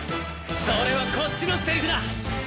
それはこっちのセリフだ！